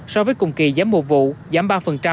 so với cùng kỳ giảm một vụ giảm ba